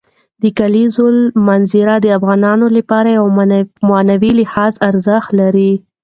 د کلیزو منظره د افغانانو لپاره په معنوي لحاظ ارزښت لري.